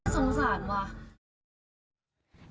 สงสารวก่อน